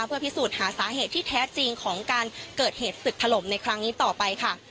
เพื่อพิสูจน์หาสาเหตุที่แท้จริงของการเกิดเหตุศึกถล่มในครั้งนี้ต่อไปค่ะ